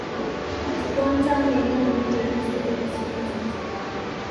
stone town ni eneo muhimu la kihistoria visiwani zanzibar